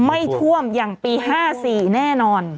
ไม่ท่วมอย่างปี๕๔แน่นอน